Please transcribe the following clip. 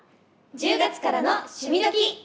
「１０月からの趣味どきっ！」。